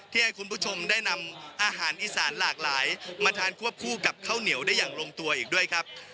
ให้คุณผู้ชมได้นำอาหารอีสานหลากหลายมาทานควบคู่กับข้าวเหนียวได้อย่างลงตัวอีกด้วยครับ